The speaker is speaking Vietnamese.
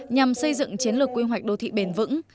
nhằm xây dựng chiến lược quy hoạch đô thị bền vững